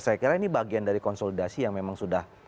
saya kira ini bagian dari konsolidasi yang memang sudah